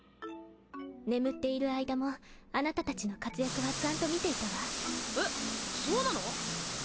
眠っている間もあなたたちの活躍はちゃんと見ていたわえそうなの？